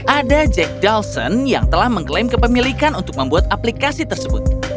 ada jack dalsen yang telah mengklaim kepemilikan untuk membuat aplikasi tersebut